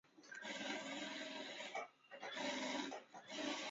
北马通伊斯是巴西马拉尼昂州的一个市镇。